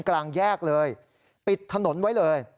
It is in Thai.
กลางแยกเลยปิดถนนไว้เลย